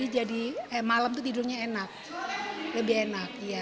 jadi malam tidurnya enak lebih enak